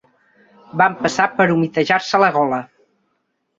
Va empassar per humitejar-se la gola.